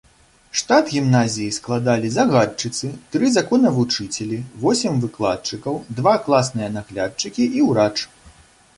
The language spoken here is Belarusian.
Штат гімназіі складалі загадчыцы, тры законавучыцелі, восем выкладчыкаў, два класныя наглядчыкі і ўрач.